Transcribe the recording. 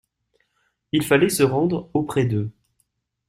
Il fallait se rendre auprès d'eux.